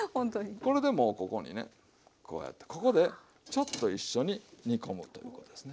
これでもうここにねこうやってここでちょっと一緒に煮込むということですね。